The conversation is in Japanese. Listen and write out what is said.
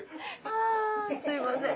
あすいません。